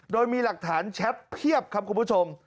โดยมีหลักฐานแชทเพียบครับคุณผู้ชม